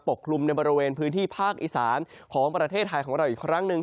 กลุ่มในบริเวณพื้นที่ภาคอีสานของประเทศไทยของเราอีกครั้งหนึ่ง